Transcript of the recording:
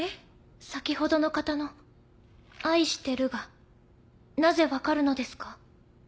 先ほどの方の「愛してる」がなぜ分かるのですか？